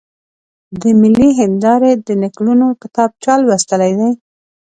د ملي هېندارې د نکلونو کتاب چا لوستلی دی؟